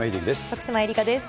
徳島えりかです。